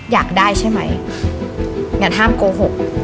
อยากได้ใช่ไหมอย่าห้ามโกหก